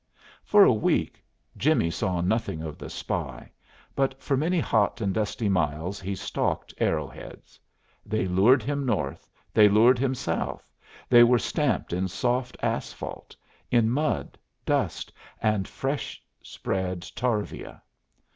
For a week Jimmie saw nothing of the spy, but for many hot and dusty miles he stalked arrow heads. They lured him north, they lured him south, they were stamped in soft asphalt, in mud, dust, and fresh spread tarvia.